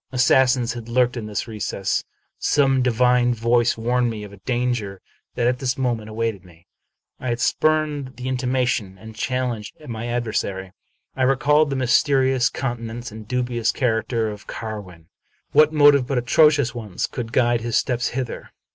Assassins had lurked in this recess. Some divine voice warned me of danger that at this moment awaited me. I had spurned the intimation, and challenged my adversary. I recalled the mysterious countenance and dubious char acter of Carwin. What motive but atrocious ones could guide his steps hither?